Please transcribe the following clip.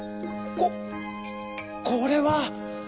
ここれは！」。